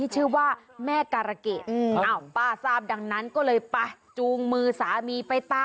จะตามมาทำไม